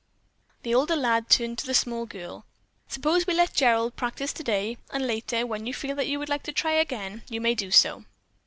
The older lad turned to the small girl. "Suppose we let Gerald practice today, and later, when you feel that you would like to try again, you may do so?"